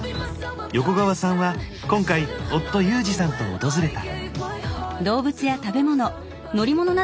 横川さんは今回夫裕志さんと訪れた。